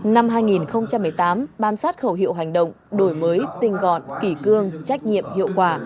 năm hai nghìn một mươi tám bám sát khẩu hiệu hành động đổi mới tinh gọn kỷ cương trách nhiệm hiệu quả